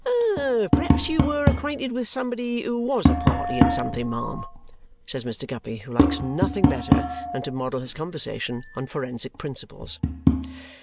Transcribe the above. "Perhaps you were acquainted with somebody who was a party in something, ma'am?" says Mr. Guppy, who likes nothing better than to model his conversation on forensic principles.